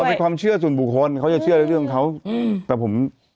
เป็นความเชื่อส่วนบุคคลเขาจะเชื่อในเรื่องของเขาอืมแต่ผม